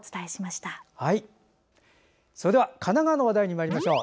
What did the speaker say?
それでは神奈川の話題にまいりましょう。